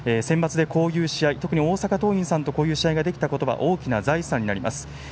センバツでこういう試合特に大阪桐蔭さんとこういう試合ができたことは大きな財産になります。